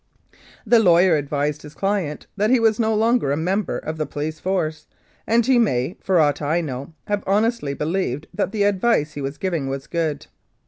134 Mounted Police Law The lawyer advised his client that he was no longer a member of the Police Force, and he may, for aught I know, have honestly believed that the advice he was giving was good.